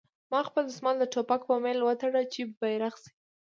ما خپل دسمال د ټوپک په میل وتاړه چې بیرغ شي